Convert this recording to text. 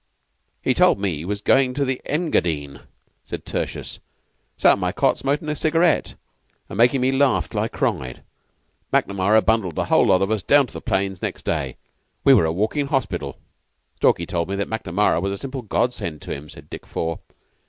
"He told me he was goin' to the Engadine," said Tertius. "Sat on my cot smokin' a cigarette, and makin' me laugh till I cried. Macnamara bundled the whole lot of us down to the plains next day. We were a walkin' hospital." "Stalky told me that Macnamara was a simple godsend to him," said Dick Four.